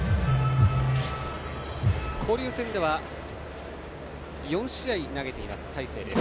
交流戦では４試合投げています、大勢。